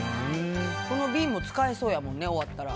この瓶も使えそうやもんね終わったら。